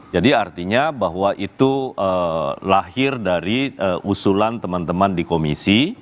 jadi artinya bahwa itu lahir dari usulan teman teman di komisi